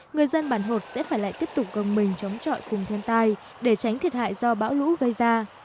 người dân bản hột sẽ phải lại tiếp tục gồng mình chống trọi cùng thiên tai để tránh thiệt hại do bão lũ gây ra